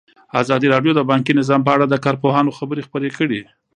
ازادي راډیو د بانکي نظام په اړه د کارپوهانو خبرې خپرې کړي.